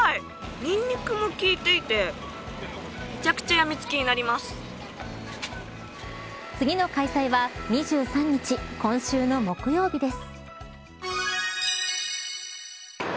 ニンニクも効いていてめちゃくちゃ次の開催は２３日今週の木曜日です。